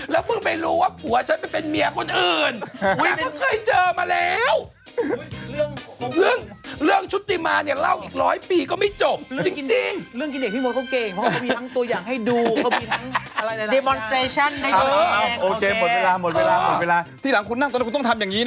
รุ่งนี้วันต่อเศรษฐกิจแห่งชาติ